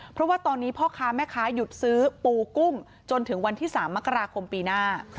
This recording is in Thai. เพราะว่าตอนนี้พ่อค้าแม่ค้าหยุดซื้อปูกุ้งจนถึงวันที่๓มกราคมปีหน้า